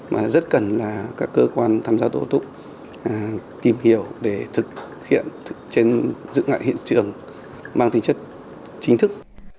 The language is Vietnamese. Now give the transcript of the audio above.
mà rất cần là các cơ quan tham gia tổ túc tìm hiểu để thực hiện trên dự ngại hiện trường mang tính chất chính thức